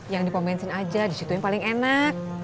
yang di pompensin aja disitu yang paling enak